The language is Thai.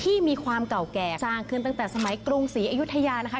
ที่มีความเก่าแก่สร้างขึ้นตั้งแต่สมัยกรุงศรีอยุธยานะคะ